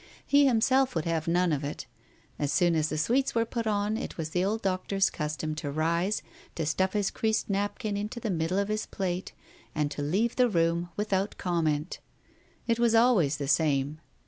He himself would have none of it. As soon as the sweets were put on, it was the old Doctor's custom to rise, to stuff his creased napkin into the middle of his plate, and to leave the room without comment. It was always the same.